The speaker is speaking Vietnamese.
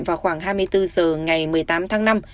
vào khoảng hai mươi bốn h ngày một mươi tám tháng năm